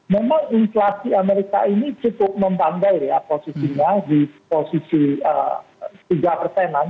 memang inflasi amerika ini cukup membandai ya posisinya di posisi tiga persenan